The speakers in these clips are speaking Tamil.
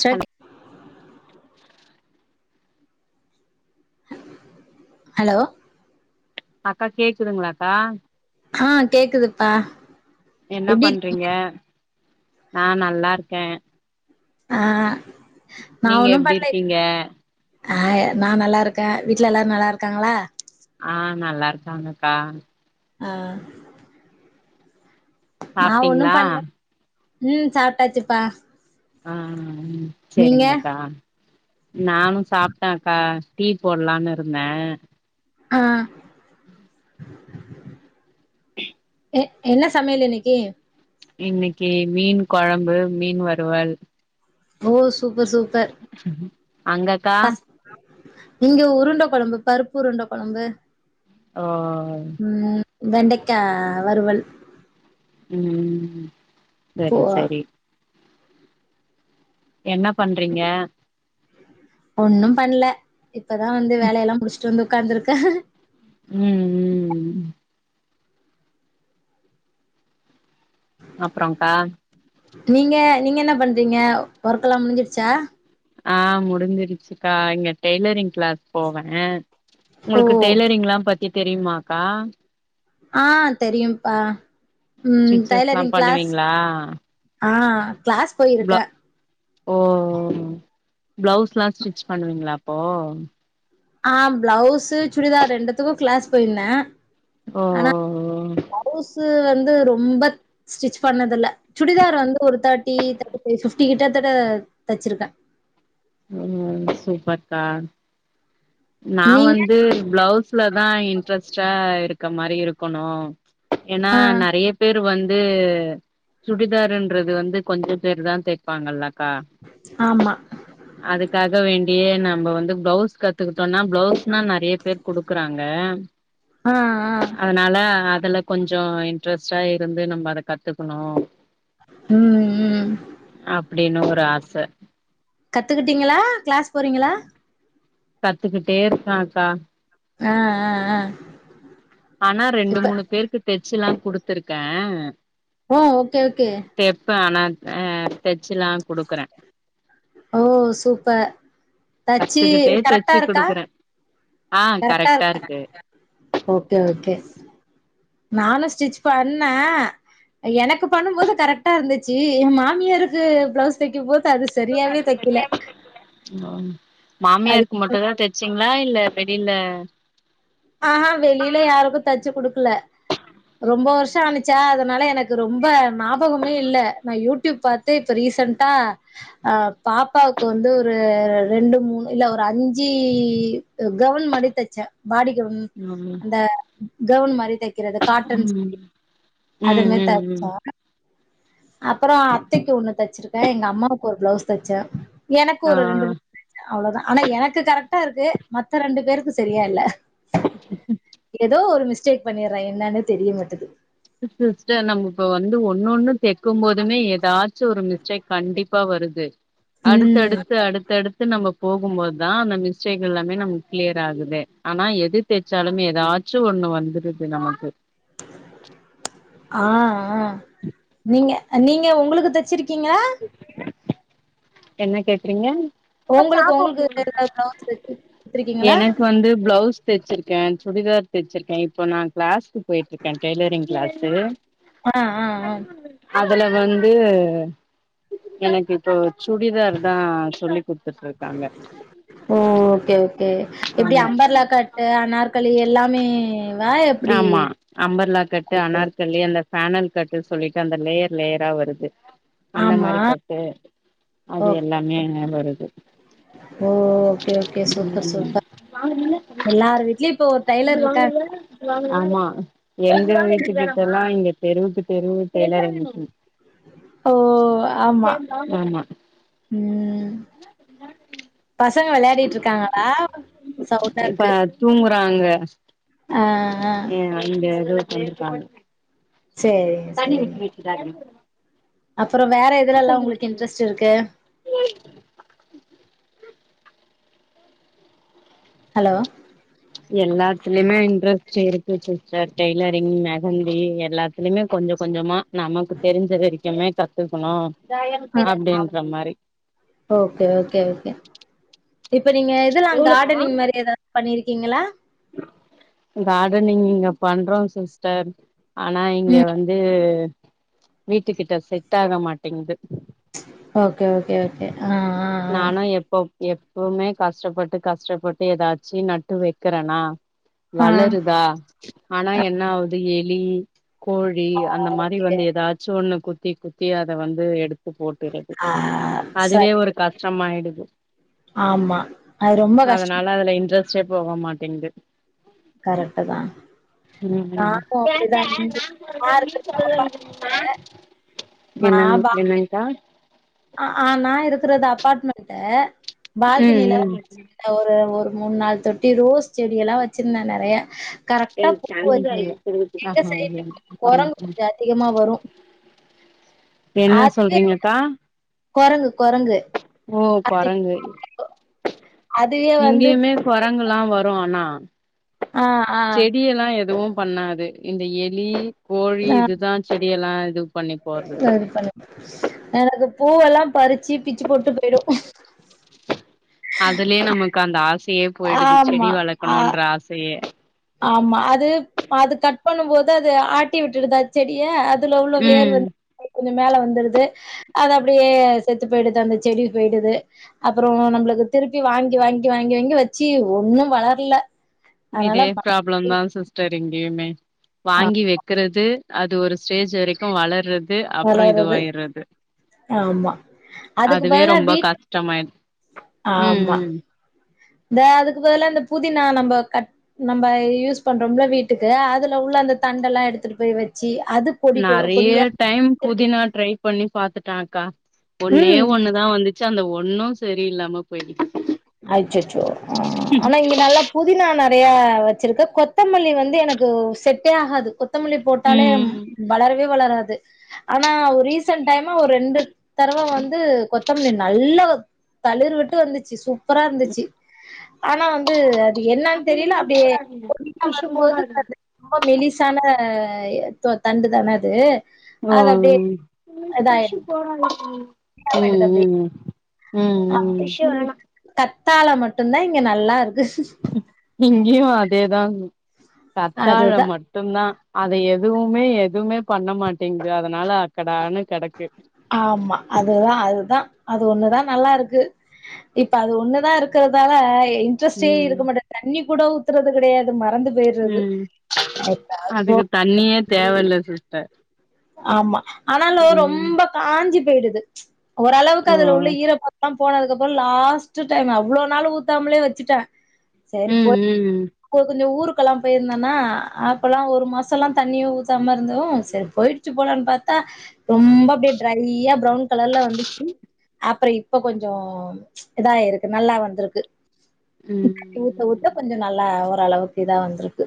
சிஸ்டர் ஹலோ அக்கா கேக்குதுங்ளா கா ஆ கேக்குதுப்பா என்ன எப்டி இருக் பண்றீங்க நா நல்லார்க்கே ஆ நா நீங்க ஒண்ணு எப்டி பண்லே இருக்கீங்க ஆ நா நல்லா இருக்கே வீட்ல எல்லாரு நல்லா இருக்காங்ளா ஆ நல்லா இருக்காங்கக்கா ஆ நா ஒண்ணு சாப்ட்டீங்களா பண்ணல ம் சாப்டாச்சுப்பா ஆ செரிங்கக்கா நானு சாப்டே அக்கா டீ போட்லான் இருந்தே ஆ [inaudible] என்ன சமையல் இன்னைக்கி இன்னிக்கி மீன் கொழம்பு மீன் வருவல் ஓ சூப்பர் சூப்பர் அங்க இங்க உருண்ட குழம்பு பருப்பு உருண்ட குழம்பு ஓ ம் வெண்டைக்கா வருவல் ம் போ சரி சரி என்ன பண்றீங்க ஒன்னு பண்ணல இப்பதா வந்து வேலையலா முடிச்சுட்டு வந்து உக்காந்துருக்க ம் ம் அப்புறகா நீங்க நீங்க என்ன பண்றீங்க ஒர்க்லா முடிஞ்சிர்ச்சா ஆ முடிஞ்சிருச்சுகா இங்க டெய்லரிங் கிளாஸ் போவே உங்ளுக்கு ஓ டெய்லரிங்லா பத்தி தெரியுமாக்கா ஆ தெரியும்ப்பா ம் ஸ்டிச்சஸ்லா டைலரிங் கிளாஸ் பண்ணுவீங்களா ஆ கிளாஸ் ப்ள போயிருக்கே ஓ ப்ளவுஸ்லா ஸ்டிச் பண்ணுவீங்ளா அப்போ ஆ பிளவுஸு சுடிதார் ரெண்டுத்துக்கு கிளாஸ் போயிருந்தே ஓ ஆனா மவுசு வந்து ரொம்ப ஸ்டிச் பண்ணது இல்ல சுடிதார் வந்து ஒரு தேர்டி தேடி ஃபை பிப்டி கிட்டத்தட்ட தச்சிருக்கே சுப்பர்த்தா நா நீங்க வந்து பிளவுஸ்ல தா இன்ட்ரெஸ்டா இருக்க மாரி இருக்குணு ஏனா ஆ நறிய பேர் வந் து சுடிதாரின்றது வந்து கொஞ்ச பேரு தா தேய்ப்பாங்கல்லக்கா ஆமா அதுக்காக வேண்டியே நம்ம வந்து ப்ளவுஸ் கத் து கிட்டோனா ப்ளவ்ஸ் தா நெறைய பேர் குடுக்குறாங்க ஆ ஆ அ அதனால அதுல கொஞ்சோ இன்ட்ரெஸ்டா இருந்து நம்ம அத கத்துக்குணு ம் ம் அப்டின்னு ஒரு ஆச கத்துக்கிட்டீங்களா க்ளஸ் போறீங்களா கத்துக்கிட்டே இருக்க அக்கா அ அ அ ஆனா ரெண்டு மூணு பேருக்கு தெச்சுல்லா குடுத்துருக்க ஓ ஓகே ஓகே தெப்பே நா அ தச்சுலா குடுக்குற ஓ சூப்பர் தச்சி கத்துக்கிட்டே கரெக்டா தெச்சு இருக்கா குடுக்குறே ஆ கரெக்ட்டா கரெக்டா இருக்கா இருக்கு ஓகே ஓகே நானு ஸ்டிச் பண்ண எனக்கு பண்ணும் போது கரெக்டா இருந்துச்சு எ மாமியாருக்கு ப்ளவுஸ் தைக்கு போது அது சரியாவே தைக்கல அம் அது மாமியாருக்கு மட்டு தா தச்சீங்களா இல்ல வெளில அ ஆஹா வெளில யாருக்கு தச்சு குடுக்கல ரொம்ப வருஷோ ஆனுச்சா அதுனால எனக் கு ரொம்ப நாபகமே இல்ல நா யுட்யூப் பாத்து இப்ப ரீசண்டா அ பாப்பாவுக்கு வந்து ஒரு ரெண்டு மூணு இல்ல ஒரு அஞ்சி கவுன் மாடி தச்சே பாடி கவுன் ஆமா அ கவுன் மாரி தைக்கிறது காட்டன்ஸ் ம் அது ம் மாரி ம் தச்ச ம் அப்பறோ அத்தைக்கு ஒன்னு தச்சிருக்க எங்க அம்மாவுக்கு ஒரு ப்ளவுஸ் தச்ச எனக்கு ஆ ஒரு ரெண்டு மூணு தச்ச அவ்ளதா ஆனா எனக்கு கரெக்டா இருக்கு மத்த ரெண்டு பேருக்கு சரியா இல்ல ஏதோ ஒரு மிஸ்டேக் பண்ணிற என்னானே தெரிய மாட்டுது சிஸ்டர் நம்ம இப்ப வந்து ஒன்னொன்னு தக்கும் போதுமே ஏதாச்சு ஒரு மிஸ் டேக் கண்டிப்பா வருது ம் அடுத்தடுத்து அடுத் தடுத்து நம்ம போகும்போது தா அந்த மிஸ்டேக் எல்லாமே நமக்கு க்ளியர் ஆகுது ஆனா எது தேச்சாலுமே ஏதாச்சு ஒண்ணு வந்துருது நமக்கு ஆ ஆ நீங்க நீங்க உங்களுக்கு தச்சிருக்கீங்க என்ன கேக்குறீங்க உங்களுக்கு உங்களுக்கு ஏதாவது பிளவுஸ் தச்சு குடுத்துருக்கீங்களா எனக்கு வந்து ப்ளவ்ஸ் தச்சிருக்க சுடிதார் தச்சிருக்கே இப்போ நா க்ளஸ்க்கு போய்ட்ருக்க டெய்லரிங் க்ளஸ்சு ஆ ஆ ஆ அதுல வந்து எனக்கு இப்போ சுடிதார் தா சொல்லி குடுத்துட்ருக்காங்க ஓ ஓகே ஓகே எப்டி ஆமா அம்பர்லா கட்டு அனார்கலி எல்லாமே ஆமா அம்பர்லா கட்டு ஓகே அனார்கலி அந்த பனல் கட்டு சொல்லிட்டு அந்த லேயர் லேயரா வருது அந்த ஆமா மாரி கட்டு அது ஓ எல்லாமே வருது ஓகே ஓகே சூப்பர் சூப்பர் எல்லார் வீட்லயு இப்போ ஒரு டைலர் இருக்காங்க ம் ஆமா எங்க வீட்டு கிட்டல்லா இங்க தெருவுக்கு தெருவு டெய்லரிங் மிஷின் ஓ ஆமா ஆமா ம் பசங்க விளையாடிட்டு இருக்காங்களா சவ்ண்டார்க்கு இப்ப தூங்குறாங்க ஆ ஏங்க இது வந்துருக்காங்க சேரி தண்ணி விக்கி வச்சுடாதிங்க அப்பற வேற எதுல எல்லா உங்களுக்கு இன்ட்ரஸ்ட் இருக்கு ம் ஹலோ எல்லாத்துலயுமே இன்ட்ரெஸ்ட் இருக்கு சிஸ்டர் டெய்லரிங் மெகந்தி எல்லாத்துலயுமே கொஞ்ச கொஞ்சமா நமக்கு தெரிஞ்ச வரைக்குமே கத்துக்கணு ஆ அப்டின்ற மாரி ஓகே ஓகே ஓகே இப்ப நீங்க இதுல்லா கார்டனிங் மாரி எதாவது பண்ணிருக்கீங்களா காடனிங் இங்க பண்றோ சிஸ்டர் ஆனா இங்க ம் வந்து வீட்டு கிட்ட செட் ஆக மாட்டங்குது ஓகே ஓகே ஓகே ஆஹ்ஹ்ஹ எப்போ எப்பவுமே கஷ்டப்பட்டு கஷ்டப்பட்டு ஏதாச்சு நட்டு வைக்கறனா ஆ ஆ வளருதா ஆனா என்ன ஆகுது எலி கோழி ஆ அந்த மாதிரி ஓகே வந்து ஏதாச்சு ஒண்ணு குத்தி குத்தி அத வந்து எடுத்து போட்டுறது ஆ அதுவே சரி ஒரு கஷ்டமாயிடுது ஆமா அது ரொம்ப கஷ்டோ அதனால அதுல இன்ட்ரெஸ்ட் டே போக மாட்டங்குது கரெக்ட்டு தா ம்ம் நானு அப்டிதாங்க நா இருக்கறது அப்பார்ட்மெண்ட்டு என்னங் என்னங்கா அ நா இருக்கறது அபார்ட்மெண்ட்டு ம் ம் பால்கனிலதா ஒரு ஒரு மூணு நாள் தொட்டி ரோஸ் செடிய எல்லா வச்சிருந்த நெறையா கரெக்டா பூ வச்சு எங்க சைடு குரங்கு கொஞ்ச அதிகமா வரும் என்ன அது சொல்றீங்கக்கா குரங்கு குரங்கு ஓ குரங்கு அதுவே வந்து இங்கியுமே குரங்கல்லாம் வரு ஆனா ஆ ஆ செடியல்லா எதுவும் பண்ணாது இந்த எலி கோழி இதுதா செடியெல்லா இது பண்ணி போடுறது சரி பண்ண எனக்கு பூவெல்லா பறிச்சு பிச்சு போட்டு போயிடு அதுலயே நமக்கு அந்த ஆசயே போயிடுது செடி ஆமா ஆ வளர்க்கணும்ன்ற ஆசயே ஆமா அது அது கட் பண்ணு போது அது ஆட்டி விட்டுருதா செடிய அ அதுல உள்ள வேர் ம் வந்து கொஞ்ச மேல வந்துடுது அது அப்டியே செத்து போயிடுது அந்த செடி போயிடுது அப்பற நம்மளுக்கு திருப்பி வாங்கி வாங்கி வாங்கி வாங்கி வச்சு ஒண்ணு வளரலல்ல இதே ப்ராப்ளம் தா சிஸ்டர் இங்கயுமே ஆ வாங்கி வைக்கிறது அது ஒரு ஸ்டேஜ் வரைக்கும் வளர்றது அப்பற வளருது இதுவாயிறது ஆமா அதுக்கு அதுவே பதிலா ரொம்ப வீட் கஷ்டமாயுடு ஆமா ம்ம் இந்த அதுக்கு பதில்லாம் இந்த புதினா நம்ம கட் நம்பயூஸ் பண்றோல வீட்டுக்கு அதுல உள்ள அந்த தண்ட எல்லா எடுத்துட்டு போய் வச்சு அது கொடி கொ நெறைய கொடியா டைம் புதினா ட்ரை பண்ணி பாத்துட்டா அக்கா ஒன்னே ம் ஒண்ணுதா வந்துச்சு அந்த ஒண்ணும் சரில்லாம போயிட்டு அச்சோச்சோ ஆனா இங்க நல்லா புதினா நெறைய வச்சிருக்க கொத்தமல்லி வந்து எனக்கு செட்டே ஆகாது கொத்தமல்லி போட்டாலே ம் வளரவே வளராது ஆனா ஒரு ரீசன்ட் டைமா ஒரு ரெண்டு தடவ வந்து கொத்தமல்லி நல்லா தளிர் விட்டு வந்துச்சு சூப்பரா இருந்துச்சு ஆனா வந்து அது என்னன் மம்மி தெரியல மீன் அப்டியே போடாதீங்க கொழுந்தா ஃபிஷ் வரம்போது போடாதீங்க அது ரொம்ப மெலிசான த தண்டு தான அது ஓ அது அப்டியே ம் இதாயிடுது. ம் அப்டியே. ம் ம் ம் [inaudible] கத்தால மட்டுந் தா இங்க நல்லாருக்கு இங்கியு அதேதா கத்தாழ அதுதான் மட் டுந்தா அத எதுவுமே எதுமே பண்ண மாட்டிங்க அதனால அக்கடானனு கெடக்கு ஆமா அதுதா அதுதா அது ஒண்ணுதா நல்லா இருக்கு இப்ப அது ஒண்ணுதா இருக்கறதால இன்ட்ரெஸ்டே ம் இருக்க மாட்ட தண்ணி கூட ஊத்துறது கெடையாது மறந்து போயிடுறது ம் எப்பயாவது போ அதுக்கு தண்ணியே தேவ இல்ல சிஸ்டர் ஆமா ஆனாலு ம் ரொம்ப காஞ்சி போயிடுது ஓரளவுக்கு ஓ அதுல உள்ள ஈரப்ப தம் போனதுக்கப்றோ லாஸ்ட் டைம் அவ்ளோ நாள் ஊத்தாமலே வெச்சுட்டே சேரி ம் போய் ம் இப்போ கொஞ்ச ஊரு க்லா போயிருந்தனா அப்பல்லா ஒரு மாசல்லா தண்ணியு ஊத்தாம இருந்தோ சரி போய் ட்டு போலனு பாத்தா ரொம்ப அப்டியே ட்ரைய்யா ப்ரவுன் கலர்ல வந்து அப்ற இப்ப கொஞ்சோ இதா இருக்கு நல்லா வந்திருக்கு ம் ஊத்த ஊத்த கொஞ்ச நல்லா ஓரளவுக்கு இதா வந்திருக்கு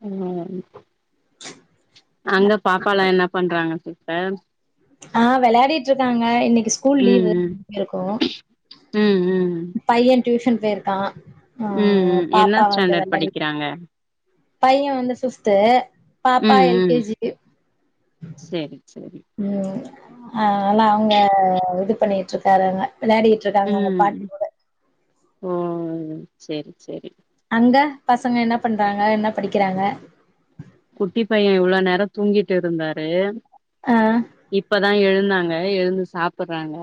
[unintelligible] அங்க பாப்பாலா என்ன பண்றாங்க சீஸ்டர் ஆ வெளாடிட்டு இருக்காங்க இன்னைக்கு ஸ்கூல் லீவு ம் ம் ம் ம் பையே டியூஷன் போயிருக்கா ஆ ம் ம் என்ன பாப்பா ஸ்டாண்டட் படிக்கிறாங்க பையே வந்து ஃப்ஃப்த்து ம் ம் செரி சரி ம் அ அதல்லா அவுங்க இது பண்ணிட்ருக்காருங்க வெளாடிட்டு ம் ஓ செரி செரி அங்க பசங்க என்ன பண்றாங்க என்ன படிக்கிறாங்க குட்டி பையே இவ்ள நேரோ தூங்கிட்டு இருந்தாரு ஆ இப்பதா எழுந்தாங்க எழுந்து சாப்பறாங்க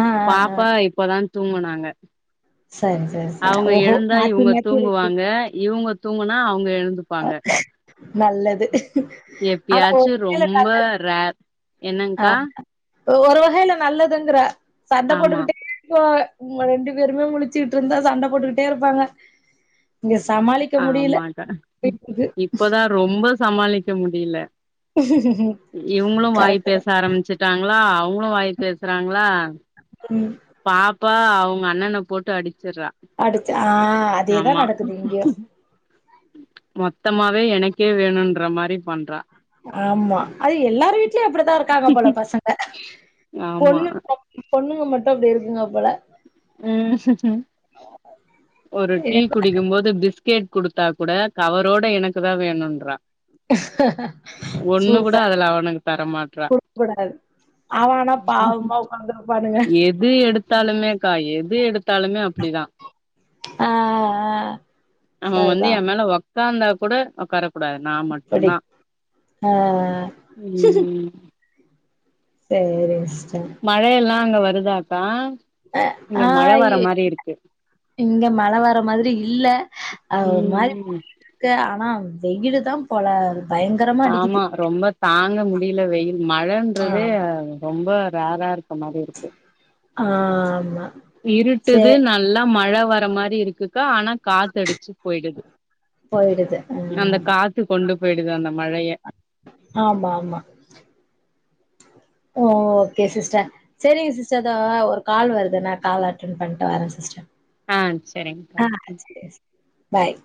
ஆ ஆ ஆ பாப்பா இப்பதா தூங்குனாங்க சரி சரி சரி அவுங்க ஓஹோ எழுந்தா மாத்தி இவுங்க மாத்தி ரொட்டீன் தூங்குவாங்க இவுங்க தூங்குனா அவுங்க எழுந்து ப்பாங்க நல்லது ஆனா ஒரு எப்பயாச்சு வகையில ரொம்ப நல்லது ரேர் ஆ என்னங்க்கா ஒரு வகையில நல்லதுங்றே சண்ட ஆமா போட்டுக்கிட்டே போ இவுங்க ரெண்டு பேருமே முழுச்சுக்கிட்டு இருந்தா சண்ட போட்டுக்கிட்டே இருப்பாங்க இங்க சமாளிக்க முடியல ஆமாக்கா [inaudible] இப்பதா ரொம்ப சமாளிக்க முடிய்ல இவுங்களு வாய் கரெக்ட் பேச தான் ஆரம்பிச்சு ட்டாங்ளா அவுங்களு வாயி பேசுறாங்ளா ம் பாப்பா அவுங்க அண்ணன போட்டு அடிச்சறா அடுத்து ஆ அதேதா நடக்குது இங்யு மொத்தமாவே எனக்கே வேணுன்ற மாரி பண்றா ஆம்மா அது எல்லாரு வீட்லயு அப்புடித்தா இருக்காங்க போல பசங்க ஆமா பொண்ணு பொண்ணுங்க மட்டும் அப்புடி இருக்குங்க போல ம் ஆ ஒரு டீ குடிக்கும் போது பிஸ்கெட் குடுத்தா கூட கவரோட எனக்கு தா வேணுன்றா ஒன்னு கூட சூப்பர் அதுல அவனுக்கு தர மாட்றா குடுக்க கூடாது அவன் ஆனா பாவமா உட்காந்துருப்பானுங்க எது எடுத்தாலுமேக்கா எது எடுத் தாலுமே அப்டிதா ஆ ஆ அவங்க வந்து சரிதான் என் மேல ஒக்காந்தா கூட ஒக்கார கூட நா அப்படி மட்டுந்தா ஆ சேரி சிஸ்டர் மழயெல்லாம் அங்க வருதாக்கா இங்க ஆ மழ இ வர மாரி இருக்கு இங்க மழ வர மாதிரி இல்ல அ ஒரு மாரி ம் ம் இருக்கு ஆனா வெயிலு தா பொல பய ஆமா ரொம்ப தாங்க முடியல வெயில் மழன்றதே ஆமா ரொம்ப ரார இருக்க மாரி இருக்கு ஆம்மா இருட்டுது நல்லா மழ வர மாரி இருக்குக்கா ஆனா காத்தடிச்சு போயிடுது போயிடுது அந்த ஆ காத்து கொண்டு போயிடுது அந்த மழய ஆமா ஆமா ஓ ஓகே சிஸ்டர் செரிங்க சிஸ்டர் அதா ஒரு கால் வருது நா கால் அட்டன் பண்ட்டு வரே சிஸ்டர் ஆ செரிங்க்கா ஆ செரி செரி பாய்